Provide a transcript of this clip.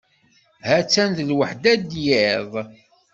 Ha-tt-an d lweḥda n yiḍ.